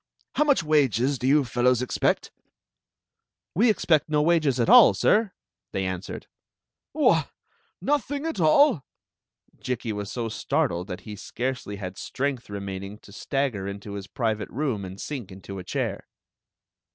"How much wages do you fellows expect.^" "We expect no wages at all, sir," they answered. " What ! nothing at all !" Jikki was so startled that Story of the Magic Clmk 113 he scarcely had strength remaining to stagger into his private room and sink into a chair.